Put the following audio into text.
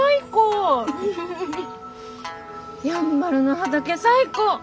やんばるの畑最高！